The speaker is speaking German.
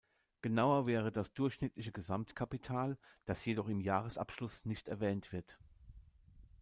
Genauer wäre das durchschnittliche Gesamtkapital, das jedoch im Jahresabschluss nicht erwähnt wird.